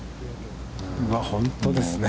本当ですね。